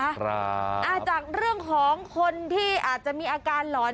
ครับอ่าจากเรื่องของคนที่อาจจะมีอาการหลอน